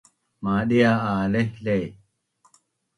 Madia a lehleh